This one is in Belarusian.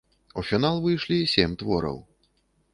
У фінал выйшлі сем твораў.